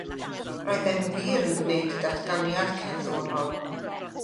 Roeddem wir yn gwneud datganiad cerddorol.